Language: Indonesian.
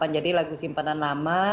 jadi lagu simpanan lama